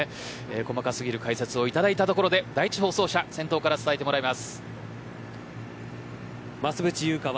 細かすぎる解説をいただいたところで第１放送車先頭から追ってもらいます。